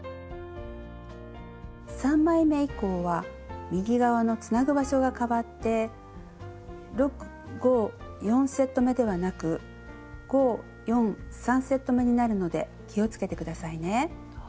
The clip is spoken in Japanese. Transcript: ３枚め以降は右側のつなぐ場所が変わって６５４セットめではなく５４３セットめになるので気を付けて下さいね。